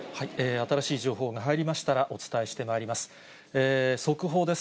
新しい情報が入りましたら、お伝えしてまいります。